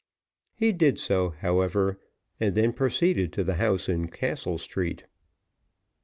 He did so, however, and then proceeded to the house in Castle Street.